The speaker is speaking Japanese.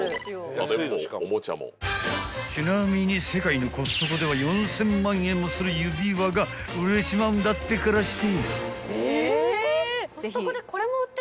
［ちなみに世界のコストコでは４，０００万円もする指輪が売れちまうんだってからして］